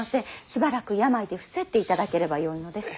しばらく病で伏せっていただければよいのです。